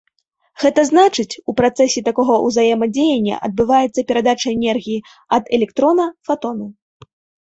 Гэта значыць, у працэсе такога ўзаемадзеяння адбываецца перадача энергіі ад электрона фатону.